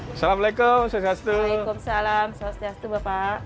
assalamualaikum assalamualaikum assalamualaikum assalamualaikum bapak